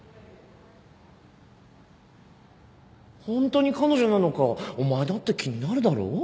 ホントに彼女なのかお前だって気になるだろ？